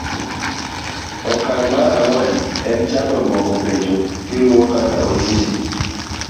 oka'ng mar ang'wen en chako dwoko penjo kiluo kaka onyisi.